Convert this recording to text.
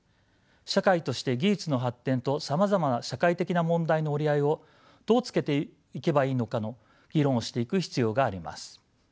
社会として技術の発展とさまざまな社会的な問題の折り合いをどうつけていけばいいのかの議論をしていく必要があります。